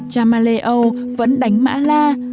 cha maleo vẫn đánh mã la